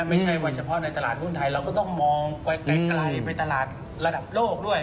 ไม่ใช่ว่าเฉพาะในตลาดหุ้นไทยเราก็ต้องมองไปไกลไปตลาดระดับโลกด้วย